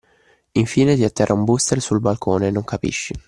Infine ti atterra un booster sul balcone e non capisci